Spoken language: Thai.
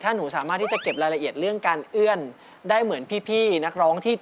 ถ้าหนูสามารถที่จะเก็บรายละเอียดเรื่องการเอื้อนได้เหมือนพี่นักร้องที่